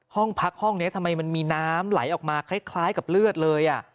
ห้องพักห้องนี้ทำไมมันมีน้ำไหลออกมาคล้ายกับเลือดเลย